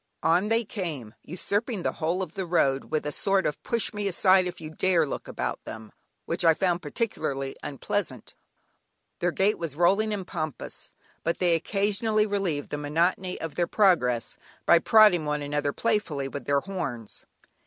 On they came, usurping the whole of the road, with a sort of "push me aside if you dare" look about them, which I found particularly unpleasant. Their gait was rolling and pompous, but they occasionally relieved the monotony of their progress by prodding one another playfully with their horns.